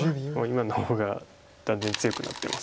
今の方が断然強くなってます。